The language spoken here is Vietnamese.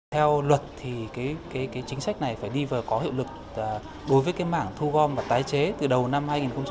theo luật thì chính sách này phải đi vào có hiệu lực đối với mảng thu gom và tái chế từ đầu năm hai nghìn hai mươi bốn